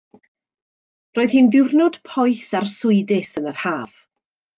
Roedd hi'n ddiwrnod poeth arswydus yn yr haf.